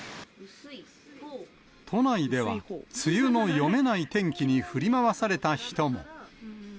都内では、梅雨の読めない天気に振り回された人も。